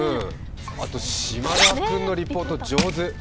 あと、島田君のリポート、上手。